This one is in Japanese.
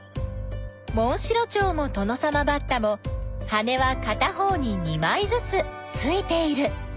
モンシロチョウもトノサマバッタも羽はかた方に２まいずつついている。